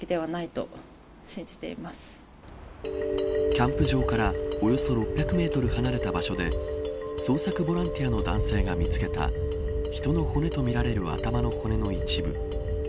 キャンプ場からおよそ６００メートル離れた場所で捜索ボランティアの男性が見つけた人の骨とみられる頭の骨の一部。